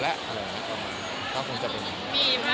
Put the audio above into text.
มีบ้างหรืออย่างนี้